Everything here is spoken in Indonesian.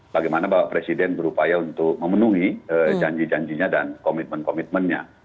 bagaimana bapak presiden berupaya untuk memenuhi janji janjinya dan komitmen komitmennya